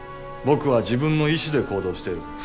僕は自分の意志で行動している。